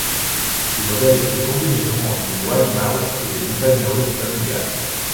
Ce modèle est une combinaison entre une Wild Mouse et des montagnes russes familiales.